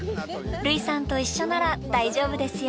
類さんと一緒なら大丈夫ですよ。